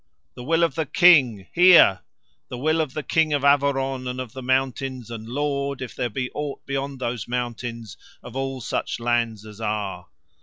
The will of the King! Hear! The will of the King of Averon and of the mountains and Lord, if there be aught beyond those mountains, of all such lands as are.